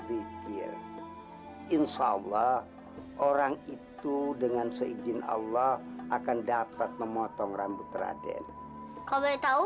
zikir insya allah orang itu dengan seizin allah akan dapat memotong rambut raden kau baik tahu